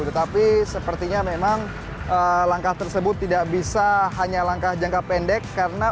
tetapi sepertinya memang langkah tersebut tidak bisa hanya langkah jangka pendek karena